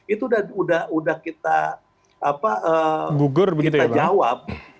itu sudah kita jawab